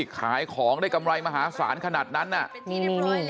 ขายของได้กำไรมหาศาลขนาดนั้นไง